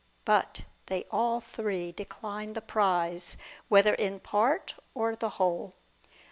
But they all three declined the prize, whether in part or the whole.